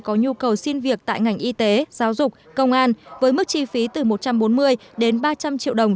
có nhu cầu xin việc tại ngành y tế giáo dục công an với mức chi phí từ một trăm bốn mươi đến ba trăm linh triệu đồng